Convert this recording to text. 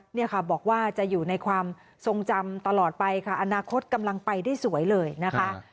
เนี่ยค่ะบอกว่าจะอยู่ในความทรงจำตลอดไปค่ะอนาคตกำลังไปได้สวยเลยนะคะ